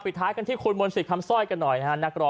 ปิดท้ายกันที่คุณหมลศิษย์คำสร้อยกันหน่อยนะคะ